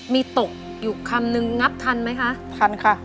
มีตกอยู่คำนึงนับทันไหมคะทันค่ะ